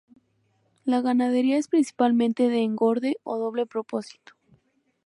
La ganadería es principalmente de engorde o doble propósito.